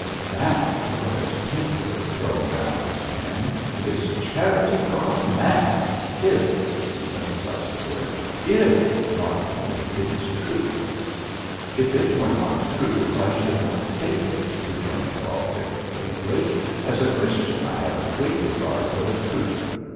'That,' declared Tinkler, throwing down his pen, 'is charity gone mad if' he emphasised the word 'if, mark me, it is true.' 'If it were not true I should not state it,' rejoined Baltic, gravely. 'As a Christian I have a great regard for the truth.